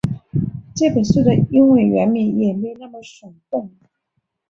这本书的英文原名也没那么耸动